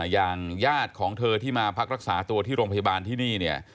อย่างญาติของเธอที่มาพักรักษาตัวที่โรงพยาบาลที่นี่เนี่ย